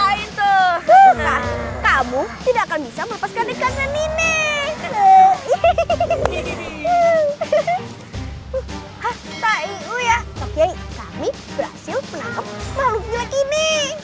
kami berhasil menangkap makhluk jiwa ini